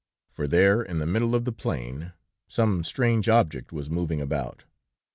For there, in the middle of the plain, some strange object was moving about.